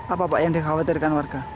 apa yang dikhawatirkan warga